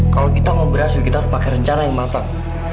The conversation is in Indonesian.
kalau kita mau berhasil kita harus pakai rencana yang matang